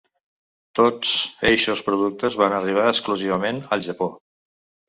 Tots eixos productes van arribar exclusivament al Japó.